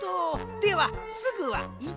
では「すぐ」は１。